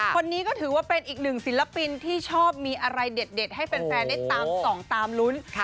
คนนี้ก็ถือว่าเป็นอีกหนึ่งศิลปินที่ชอบมีอะไรเด็ดให้แฟนได้ตามส่องตามลุ้น